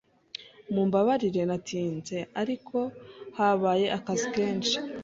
Mumbabarire natinze, ariko habaye akazi kenshi.